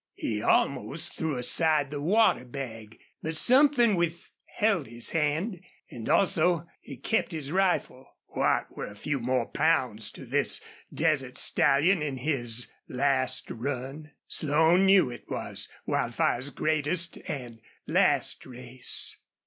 He almost threw aside the water bag, but something withheld his hand, and also he kept his rifle. What were a few more pounds to this desert stallion in his last run? Slone knew it was Wildfire's greatest and last race.